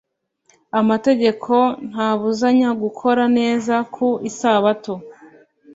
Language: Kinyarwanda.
amategeko ntabuzanya gukora neza ku isabato